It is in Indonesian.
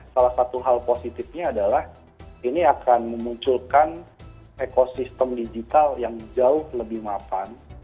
salah satu hal positifnya adalah ini akan memunculkan ekosistem digital yang jauh lebih mapan